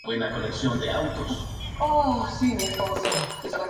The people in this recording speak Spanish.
Presenta a Carey cantando la canción en el escenario en el Tokyo Dome.